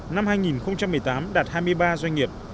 năm hai nghìn một mươi tám đạt hai mươi ba doanh nghiệp